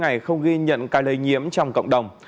cả nước không ghi nhận ca lây nhiễm trong cộng đồng